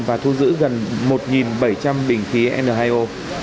và thu giữ gần một bảy trăm linh bình khí n hai o